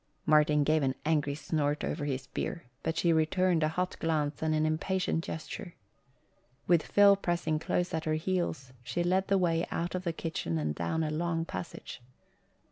Martin gave an angry snort over his beer, but she returned a hot glance and an impatient gesture. With Phil pressing close at her heels she led the way out of the kitchen and down a long passage.